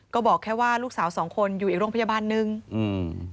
ก็บอกแค่ว่าลูกสาวสองคนอยู่อีกโรงพยาบาลหนึ่งอืม